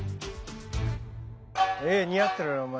似合ってるよお前。